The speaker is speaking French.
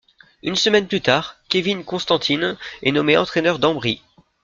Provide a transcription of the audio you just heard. Une semaine plus tard, Kevin Constantine est nommé entraîneur d'Ambri.